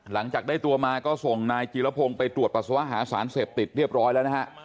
หลังจากได้ตัวมาก็ส่งนายจีรพงศ์ไปตรวจปัสสาวะหาสารเสพติดเรียบร้อยแล้วนะฮะ